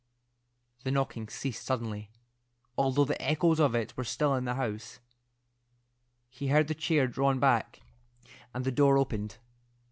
The knocking ceased suddenly, although the echoes of it were still in the house. He heard the chair drawn back, and the door opened.